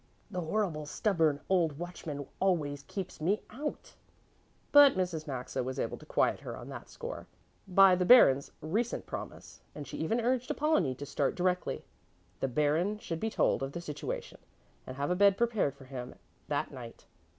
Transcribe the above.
The horrible stubborn old watchman always keeps me out." But Mrs. Maxa was able to quiet her on that score by the Baron's recent promise, and she even urged Apollonie to start directly. The Baron should be told of the situation and have a bed prepared for him that night.